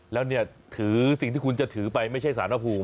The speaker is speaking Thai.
แล้วเนี่ยถือสิ่งที่คุณจะถือไปไม่ใช่สารภูมิ